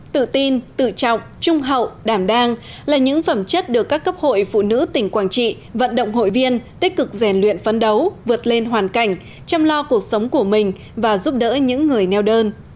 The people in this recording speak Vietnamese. tự tin tự trọng trung hậu đảm đang là những phẩm chất được các cấp hội phụ nữ tỉnh quảng trị vận động hội viên tích cực rèn luyện phấn đấu vượt lên hoàn cảnh chăm lo cuộc sống của mình và giúp đỡ những người neo đơn